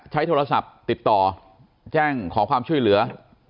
ใช้โทรศัพท์ติดต่อแจ้งขอความช่วยเหลือ